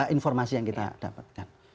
informasi yang kita dapatkan